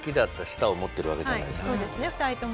そうですね２人とも。